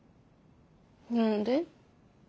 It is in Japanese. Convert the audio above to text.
何で？